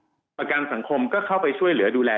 ทางประกันสังคมก็จะสามารถเข้าไปช่วยจ่ายเงินสมทบให้๖๒